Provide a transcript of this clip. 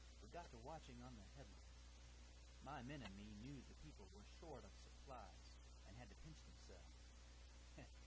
We got to watching on the headlands; my men and me knew the people were short of supplies and had to pinch themselves.